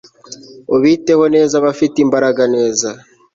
ubiteho neza abafite imbaraga neza